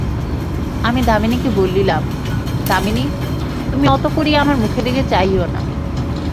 আমি দামিনীকে বলিলাম, দামিনী, তুমি অত করিয়া আমার মুখের দিকে চাহিয়ো না।